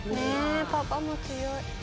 パパも強い。